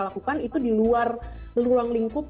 lakukan itu di luar ruang lingkup